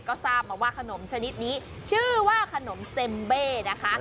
ก็ทราบมาว่าขนมชนิดนี้ชื่อว่าขนมเซ็มเบ้นะคะ